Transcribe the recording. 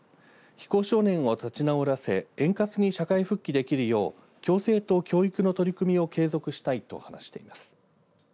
非行少年を立ち直らせ円滑に社会復帰できるよう矯正と教育の取り組みを継続したいと話しています。